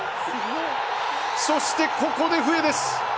そして、ここで笛です。